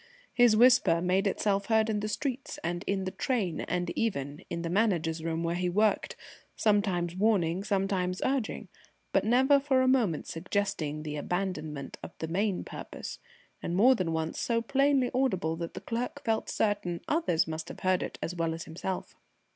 His whisper made itself heard in the streets and in the train, and even in the Manager's room where he worked; sometimes warning, sometimes urging, but never for a moment suggesting the abandonment of the main purpose, and more than once so plainly audible that the clerk felt certain others must have heard it as well as himself.